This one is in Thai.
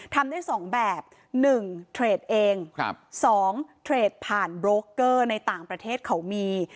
ทำได้๒แบบ๑เทรดเอง๒เทรดผ่านโบรกเกอร์ในต่างประเทศเขามี